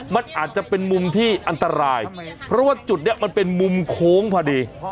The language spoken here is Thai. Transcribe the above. มันอาจจะเป็นมุมที่อันตรายเพราะว่าจุดนี้มันเป็นมุมโค้งพอดี